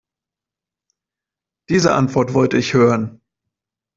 Diese Antwort wollte ich hören.